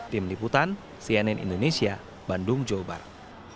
tim liputan cnn indonesia bandung jawa barat